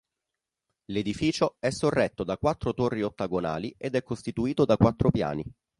L'edificio è sorretto da quattro torri ottagonali ed è costituito da quattro piani.